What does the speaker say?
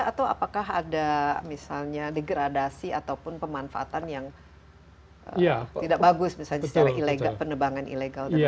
atau apakah ada misalnya degradasi ataupun pemanfaatan yang tidak bagus misalnya secara penebangan ilegal